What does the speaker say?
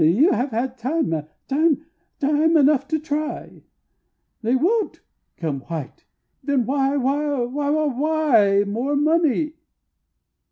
"You have had time time time enough to try! They WON'T come white! then why why why why, More money?"